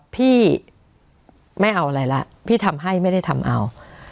พี่ไม่เอาอะไรละพี่ทำให้ไม่ได้ทำเอา